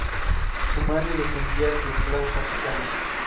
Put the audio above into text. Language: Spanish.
Su madre descendía de esclavos africanos.